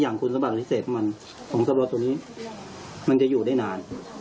อย่างคุณสมัครละทัวร์พริเศษที่ตรงนี้มันจะอยู่ได้นาน